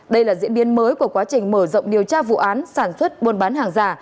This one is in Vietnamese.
đây là diễn biến mới của quá trình mở rộng điều tra vụ án sản xuất buôn bán hàng giả